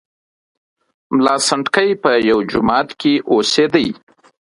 ملا سنډکی په یوه جومات کې اوسېدی.